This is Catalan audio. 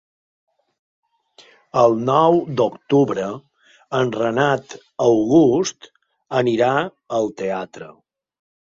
El nou d'octubre en Renat August anirà al teatre.